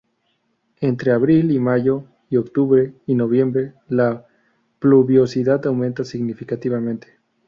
Entre abril y mayo y octubre y noviembre la pluviosidad aumenta significativamente.